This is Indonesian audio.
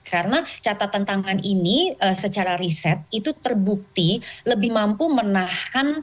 karena catatan tangan ini secara riset itu terbukti lebih mampu menahan